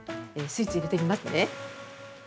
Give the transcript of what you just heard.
スイッチ入れてみますね。